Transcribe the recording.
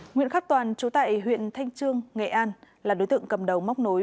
nguyễn khắc toàn chú tại huyện thanh trương nghệ an là đối tượng cầm đầu móc nối